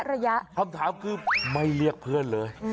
คำถามคือที่ไม่เรียกเพื่อนเลย